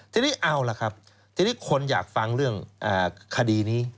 ทีนี้เอาล่ะครับทีนี้คนอยากฟังเรื่องคดีนี้